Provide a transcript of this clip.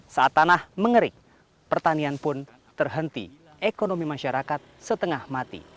saat tanah mengerik pertanian pun terhenti ekonomi masyarakat setengah mati